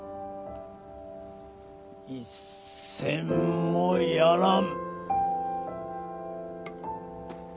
一銭もやらん。